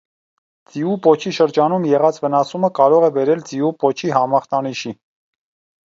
Ձիու պոչի շրջանում եղած վնասումը կարող է բերել ձիու պոչի համախտանիշի։